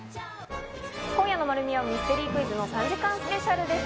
今夜の『まる見え！』はミステリークイズ３時間スペシャルです。